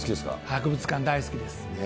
博物館、大好きです。